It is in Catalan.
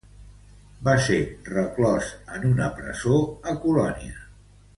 Va ser reclòs en una presó a Colònia.